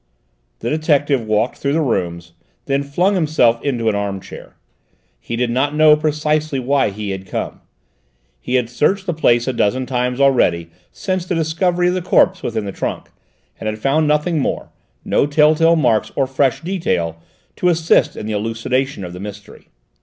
The detective walked through the rooms, then flung himself into an arm chair. He did not know precisely why he had come. He had searched the place a dozen times already since his discovery of the corpse within the trunk, and had found nothing more, no tell tale marks or fresh detail, to assist in the elucidation of the mystery.